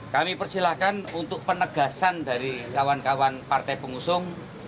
kami persilahkan untuk penegasan dari kawan kawan partai pengusung